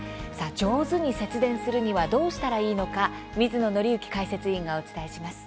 上手に節電するにはどうしたらいいのか水野倫之解説委員がお伝えします。